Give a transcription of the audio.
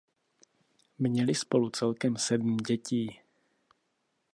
Měli spolu celkem sedm dětí.